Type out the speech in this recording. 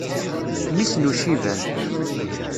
Mmi-s n Uciban.